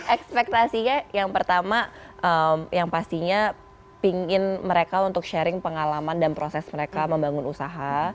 ekspektasinya yang pertama yang pastinya pingin mereka untuk sharing pengalaman dan proses mereka membangun usaha